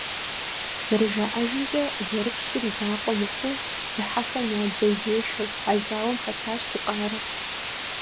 Зэрыжаӏэжымкӏэ, зэрыпщым и закъуэ мыхъуу, зыхьэхэм я дзэзешэу а зауэм хэтащ Тукъарэ.